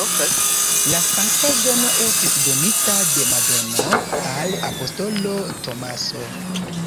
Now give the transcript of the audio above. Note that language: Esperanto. La sankta zono estis donita de Madono al apostolo Tomaso.